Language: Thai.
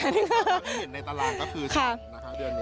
ไม่เห็นในตารางก็คือฉ่ำนะคะเดือนนี้